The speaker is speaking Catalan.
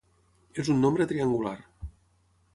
És un nombre triangular.